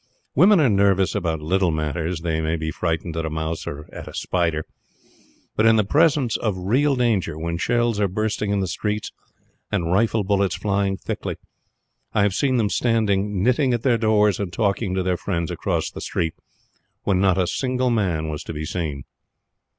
Women are nervous about little matters; they may be frightened at a mouse or at a spider; but in the presence of real danger, when shells are bursting in the streets, and rifle bullets flying thickly, I have seen them standing kitting at their doors and talking to their friends across the street when not a single man was to be seen.